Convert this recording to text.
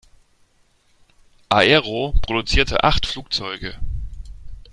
Aero produzierte acht Flugzeuge.